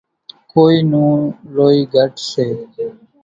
ڪونئين نون لوئي گھٽ سي۔